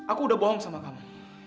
aku udah bohong sama kamu